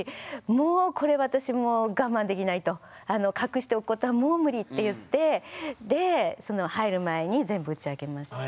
もうこれ私もう我慢できないと隠しておくことはもうムリって言ってで入る前に全部打ち明けました。